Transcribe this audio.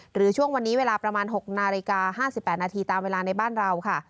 ช่วงวันนี้เวลาประมาณ๖นาฬิกา๕๘นาทีตามเวลาในบ้านเราค่ะ